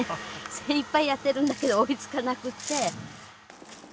精いっぱいやっているんだけど追いつかなくて。